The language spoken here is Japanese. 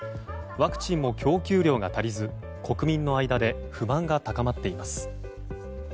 ワクチンの供給量が足りず国民の間で不満が高まっています。